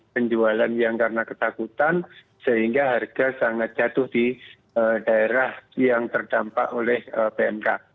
penjualan yang karena ketakutan sehingga harga sangat jatuh di daerah yang terdampak oleh pmk